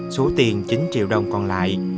số tiền chín triệu đồng còn lại